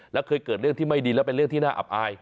แล้วเคยเกิดเรื่องที่ไม่ดีแล้วเป็นเรื่องที่น่าอับอาย